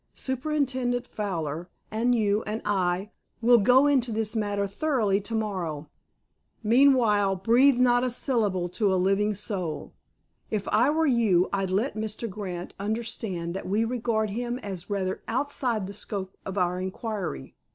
Superintendent Fowler and you and I will go into this matter thoroughly to morrow. Meanwhile, breathe not a syllable to a living soul. If I were you, I'd let Mr. Grant understand that we regard him as rather outside the scope of our inquiry.